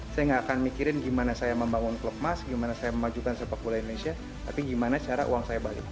saya nggak akan mikirin gimana saya membangun klub emas gimana saya memajukan sepak bola indonesia tapi gimana cara uang saya balik